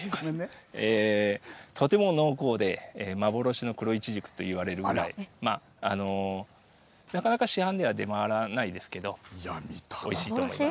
とても濃厚で、幻の黒いちじくといわれるぐらい、なかなか市販では出回らないですけど、おいしいと思います。